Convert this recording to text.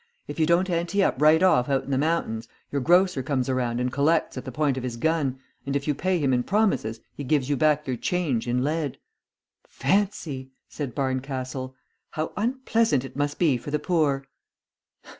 If you don't ante up right off out in the Mountains, your grocer comes around and collects at the point of his gun, and if you pay him in promises, he gives you back your change in lead." "Fancy!" said Barncastle. "How unpleasant it must be for the poor."